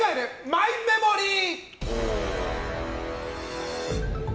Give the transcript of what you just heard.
マイメモリー。